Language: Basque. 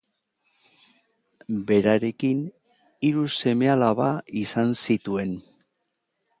Berarekin hiru seme-alaba izan zituen.